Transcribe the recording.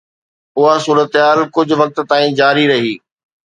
اها صورتحال ڪجهه وقت تائين جاري رهي.